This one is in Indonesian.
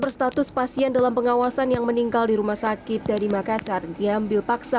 berstatus pasien dalam pengawasan yang meninggal di rumah sakit dari makassar diambil paksa